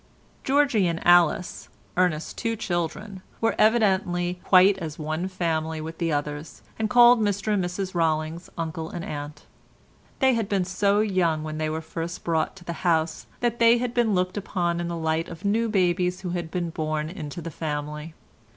Georgie and Alice, Ernest's two children, were evidently quite as one family with the others, and called Mr and Mrs Rollings uncle and aunt. They had been so young when they were first brought to the house that they had been looked upon in the light of new babies who had been born into the family.